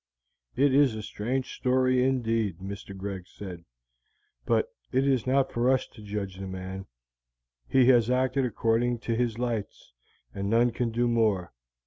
"It is a strange story indeed," Mr. Greg said, "but it is not for us to judge the man. He has acted according to his lights, and none can do more.